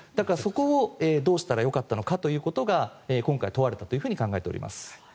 そこをどうしたらよかったのかということが今回問われたと考えております。